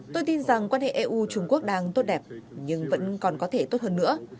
tôi tin rằng quan hệ eu trung quốc đang tốt đẹp nhưng vẫn còn có thể tốt hơn nữa